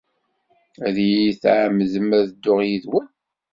Ad iyi-tɛemmdem ad dduɣ yid-wen?